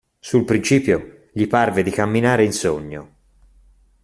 Sul principio gli parve di camminare in sogno.